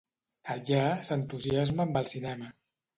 Allà s'entusiasma amb el cinema.